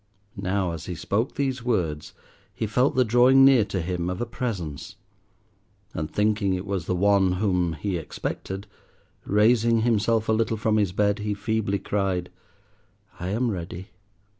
Now as he spoke these words he felt the drawing near to him of a Presence, and thinking it was the One whom he expected, raising himself a little from his bed, he feebly cried, "I am ready."